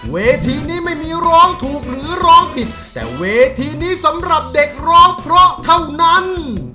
เวทีนี้ไม่มีร้องถูกหรือร้องผิดแต่เวทีนี้สำหรับเด็กร้องเพราะเท่านั้น